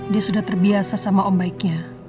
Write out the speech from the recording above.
dia sudah terbiasa sama om baiknya